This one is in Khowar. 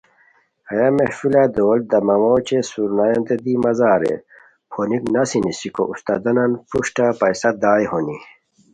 ہیہ محفل دول، دمامہ اوچے سرنایوتین دی مزہ اریر، پھونیک نسی نیسیکو استادانان پروشٹہ پیسہ دائے ہونی